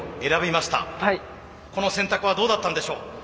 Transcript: この選択はどうだったんでしょう？